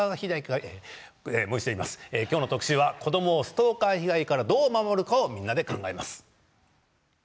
今日は子どもをストーカー被害からどう守るかをみんなで考えます。